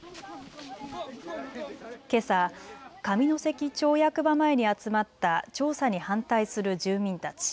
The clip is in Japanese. けさ上関町役場前に集まった調査に反対する住民たち。